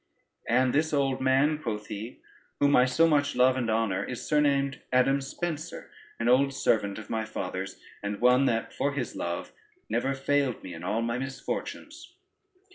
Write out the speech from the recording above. "And this old man," quoth he, "whom I so much love and honor, is surnamed Adam Spencer, an old servant of my father's, and one, that for his love, never failed me in all my misfortunes."